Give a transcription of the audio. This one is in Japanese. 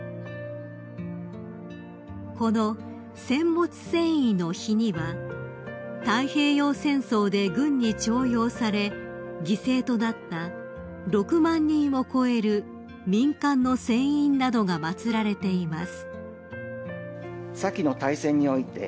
［この戦没船員の碑には太平洋戦争で軍に徴用され犠牲となった６万人を超える民間の船員などが祭られています］